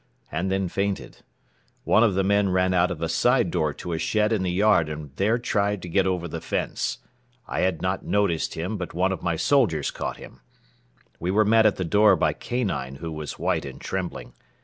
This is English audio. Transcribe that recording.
and then fainted. One of the men ran out of a side door to a shed in the yard and there tried to get over the fence. I had not noticed him but one of my soldiers caught him. We were met at the door by Kanine, who was white and trembling.